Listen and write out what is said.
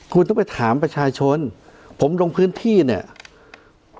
คุณต้องไปถามประชาชนผมลงพื้นที่เนี่ย